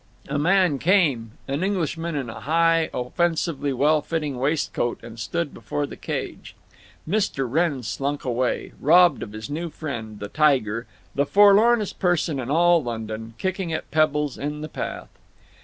A man came, an Englishman in a high offensively well fitting waistcoat, and stood before the cage. Mr. Wrenn slunk away, robbed of his new friend, the tiger, the forlornest person in all London, kicking at pebbles in the path.